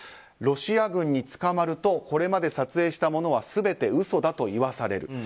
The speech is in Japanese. ロシア軍に捕まるとこれまで撮影したものは全て嘘だと言わされる。